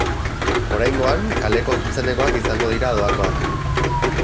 Oraingoan, kaleko zuzenekoak izango dira doakoak.